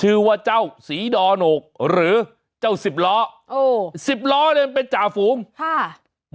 ชื่อว่าเจ้าศรีดอโหนกหรือเจ้าสิบล้อโอ้สิบล้อเนี่ยมันเป็นจ่าฝูงค่ะ